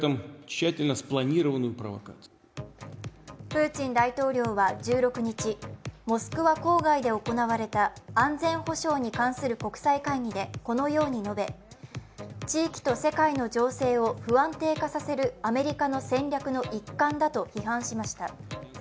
プーチン大統領は１６日モスクワ郊外で行われた安全保障に関する国際会議でこのように述べ、地域と世界の情勢を不安定化させるアメリカの戦略の一環だと批判しました。